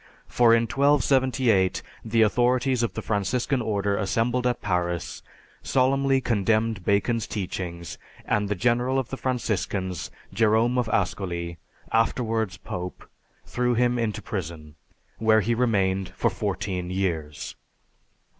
For in 1278 the authorities of the Franciscan Order assembled at Paris, solemnly condemned Bacon's teachings, and the general of the Franciscans, Jerome of Ascoli, afterwards Pope, threw him into prison, where he remained for fourteen years.